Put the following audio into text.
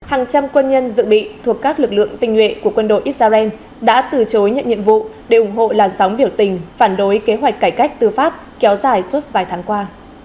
hàng trăm quân nhân dự bị thuộc các lực lượng tình nguyện của quân đội israel đã từ chối nhận nhiệm vụ để ủng hộ làn sóng biểu tình phản đối kế hoạch cải cách tư pháp kéo dài suốt vài tháng qua